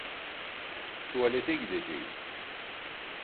Tuvalete gideceğim.